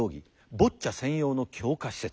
「ボッチャ専用の強化施設」。